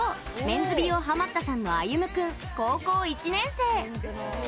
メンズ美容ハマったさんのあゆむ君、高校１年生。